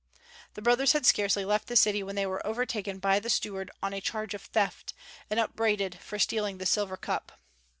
The brothers had scarcely left the city when they were overtaken by the steward on a charge of theft, and upbraided for stealing the silver cup.